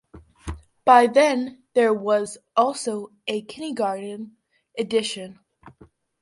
By then, there was also a kindergarten edition.